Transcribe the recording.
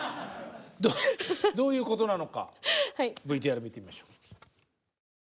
どういうことなのかＶＴＲ見てみましょう。